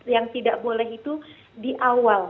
yang tidak boleh itu di awal